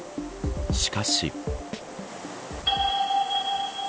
しかし。